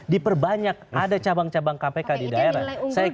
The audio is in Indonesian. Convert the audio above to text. diperbanyak ada cabang cabang kpk di daerah